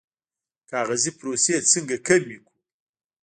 کاغذي پروسې څنګه کمې کړو؟